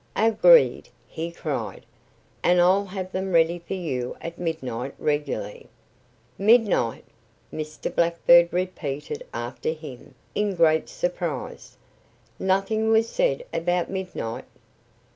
"Agreed!" he cried. "And I'll have them ready for you at midnight regularly." "Midnight!" Mr. Blackbird repeated after him, in great surprise. "Nothing was said about 'midnight!'"